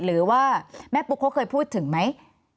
หรือว่าแม่ปุ๊กเขาเคยพูดถึงไหม